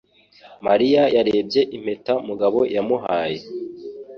Mariya yarebye impeta Mugabo yamuhaye.